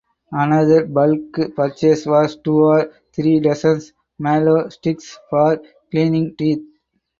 Another bulk purchase was two or three dozen mallow sticks for cleaning teeth.